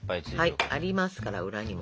はいありますから裏にも。